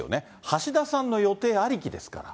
橋田さんの予定ありきですから。